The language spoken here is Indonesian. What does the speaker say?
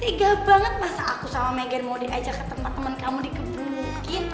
tega banget masa aku sama megan mau diajak ke tempat temen kamu digebukin